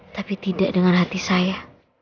tapi tidak dengan hati saya